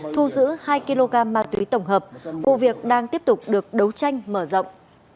thu giữ hai kg ma túy tổng hợp vụ việc đang tiếp tục được đấu tranh mở rộng